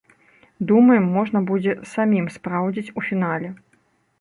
Думаем, можна будзе самім спраўдзіць у фінале.